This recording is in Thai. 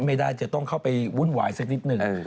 ไม่ได้จะต้องเข้าไปวุ่นวายสักนิดหนึ่ง